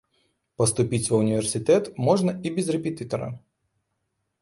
Паступіць ва ўніверсітэт можна і без рэпетытара.